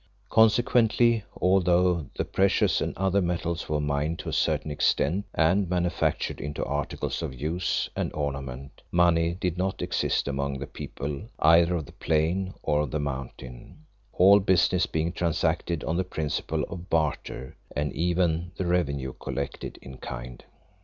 Consequently, although the precious and other metals were mined to a certain extent and manufactured into articles of use and ornament, money did not exist among the peoples either of the Plain or of the Mountain, all business being transacted on the principle of barter, and even the revenue collected in kind.